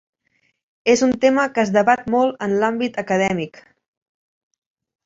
És un tema que es debat molt en l'àmbit acadèmic.